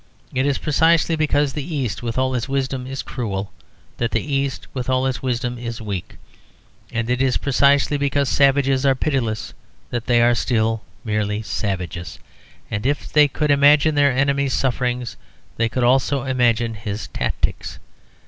It is precisely because the East, with all its wisdom, is cruel, that the East, with all its wisdom, is weak. And it is precisely because savages are pitiless that they are still merely savages. If they could imagine their enemy's sufferings they could also imagine his tactics.